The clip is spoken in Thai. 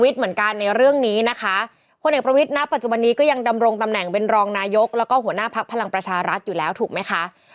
ซึ่งก็มีรอกรกตรรับรองอันดับแรก